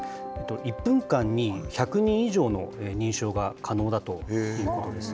１分間に１００人以上の認証が可能だということです。